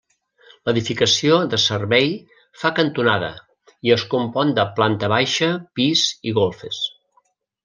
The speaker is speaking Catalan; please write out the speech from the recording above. L'edificació de servei fa cantonada i es compon de planta baixa, pis i golfes.